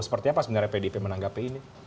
seperti apa sebenarnya pdip menanggapi ini